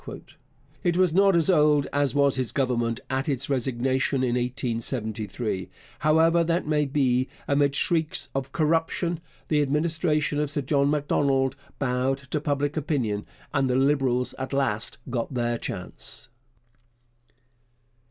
It was not as old as was his Government at its resignation in 1873. However that may be, amid shrieks of 'corruption' the Administration of Sir John Macdonald bowed to public opinion, and the Liberals at last got their chance.